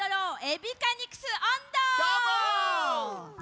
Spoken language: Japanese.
「エビカニクス音頭」！